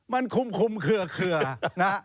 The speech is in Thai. มันคุ้มเคลือเคลือนะ